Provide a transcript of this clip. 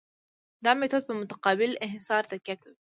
دا میتود په متقابل انحصار تکیه کوي